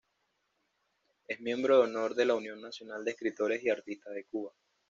Es miembro de honor de la Unión Nacional de Escritores y Artistas de Cuba.